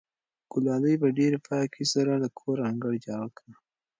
ګلالۍ په ډېرې پاکۍ سره د کور انګړ جارو کړ.